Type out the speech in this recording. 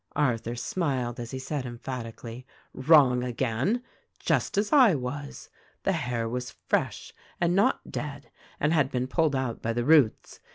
Arthur smiled as he said emphatically. "Wrong again ! Just as I was. The hair was fresh, and not dead, and had been pulled out by the roots.